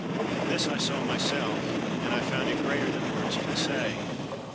This I saw myself, and I found it greater than words can say.